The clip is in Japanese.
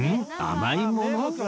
甘いもの？